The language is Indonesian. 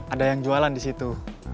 ada yang jualan di situ